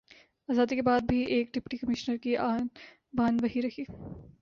آزادی کے بعد بھی ایک ڈپٹی کمشنر کی آن بان وہی رہی